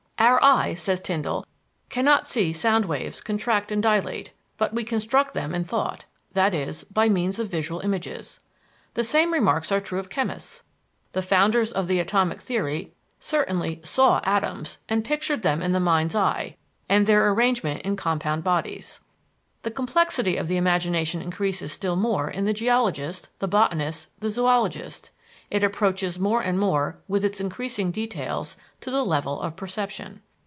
Our eye, says Tyndall, cannot see sound waves contract and dilate, but we construct them in thought i.e., by means of visual images. The same remarks are true of chemists. The founders of the atomic theory certainly saw atoms, and pictured them in the mind's eye, and their arrangement in compound bodies. The complexity of the imagination increases still more in the geologist, the botanist, the zoologist; it approaches more and more, with its increasing details, to the level of perception.